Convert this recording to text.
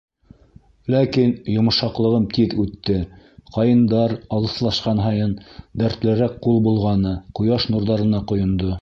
Ләкин йомшаҡлығым тиҙ үтте: ҡайындар, алыҫлашҡан һайын, дәртлерәк ҡул болғаны, ҡояш нурҙарына ҡойондо...